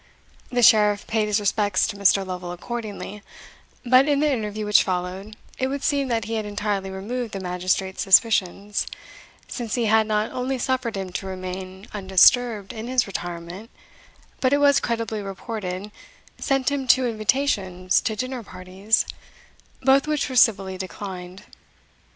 The Sheriff paid his respects to Mr. Lovel accordingly; but in the interview which followed, it would seem that he had entirely removed that magistrate's suspicions, since he not only suffered him to remain undisturbed in his retirement, but it was credibly reported, sent him two invitations to dinner parties, both which were civilly declined.